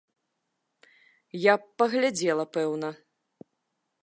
Я б паглядзела, пэўна.